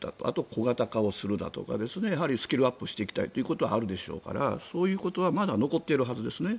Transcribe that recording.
あとは小型化をするだとかスキルアップしていきたいということはあるでしょうからそういうことはまだ残っているはずです。